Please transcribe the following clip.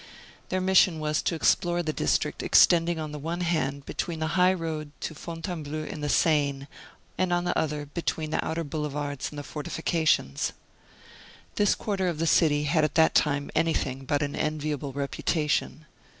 Their mission was to explore the district extending on the one hand between the highroad to Fontainebleau and the Seine, and on the other between the outer boulevards and the fortifications. This quarter of the city had at that time anything but an enviable reputation.